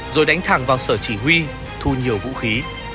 rồi đánh thẳng vào sở chỉ huy thu nhiều vũ khí